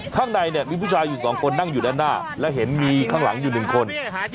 ข้างในเนี่ยมีผู้ชายอยู่สองคนนั่งอยู่ด้านหน้าและเห็นมีข้างหลังอยู่หนึ่งคน